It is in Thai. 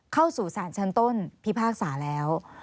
เข้าสู่สารชั้นต้นพิพากษาแล้ว